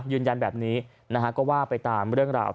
ยืนยันแบบนี้นะฮะก็ว่าไปตามเรื่องราว